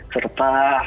serta hal hal yang berbeda